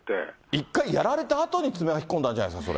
一回やられたあとに、爪が引っ込んだんじゃないですか？